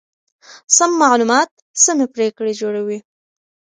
سم معلومات سمې پرېکړې جوړوي.